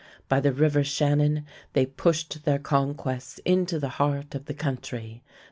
By the river Shannon they pushed their conquests into the heart of the country.